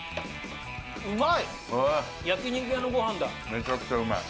めちゃくちゃうまい。